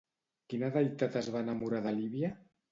Quina deïtat es va enamorar de Líbia?